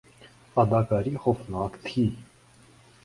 اداکاری خوفناک تھی